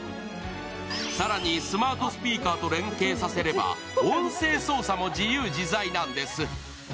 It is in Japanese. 更にスマートスピーカーと連携させれば音声操作も自由自在なんです。